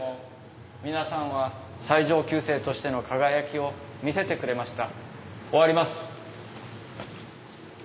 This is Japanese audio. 皆さんは最上級生としての輝きを見せてくれました。